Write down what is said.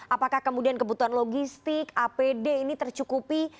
apakah kemudian kebutuhan logistik apd ini tercukupi